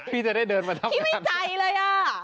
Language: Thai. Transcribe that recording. พี่จะได้เดินมาทำพี่ไม่ใจเลยอ่ะ